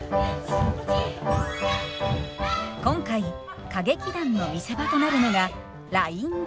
今回歌劇団の見せ場となるのがラインダンス。